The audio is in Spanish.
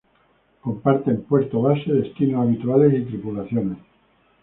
Comparten puerto base, destinos habituales y tripulaciones.